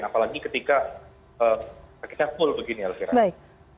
apalagi ketika sakitnya full begini aleskera